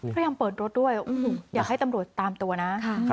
พยายามเปิดรถด้วยอยากให้ตำรวจตามตัวนะ